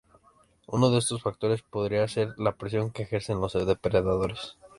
Uno de estos factores podría ser la presión que ejercen los depredadores.